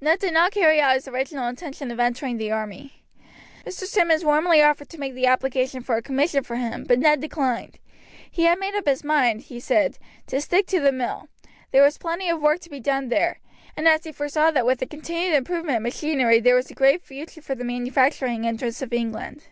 Ned did not carry out his original intention of entering the army. Mr. Simmonds warmly offered to make the application for a commission for him, but Ned declined. He had made up his mind, he said, to stick to the mill; there was plenty of work to be done there, and he foresaw that with a continued improvement of machinery there was a great future for the manufacturing interests of England.